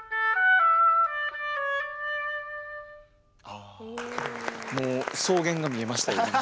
あもう草原が見えましたよ。